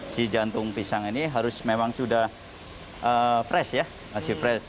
si jantung pisang ini harus memang sudah fresh ya masih fresh